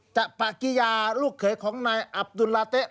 จะปะกิยาลูกเขยของนายอับดุลลาเต๊ะ